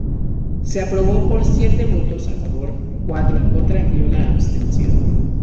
Se aprobó por siete votos a favor, cuatro en contra y una abstención.